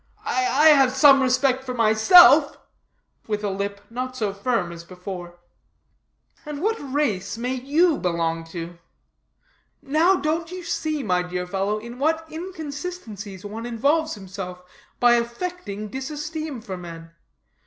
"I have some respect for myself" with a lip not so firm as before. "And what race may you belong to? now don't you see, my dear fellow, in what inconsistencies one involves himself by affecting disesteem for men.